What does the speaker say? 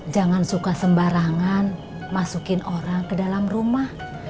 jangan suka sembarangan masukin orang ke dalam rumah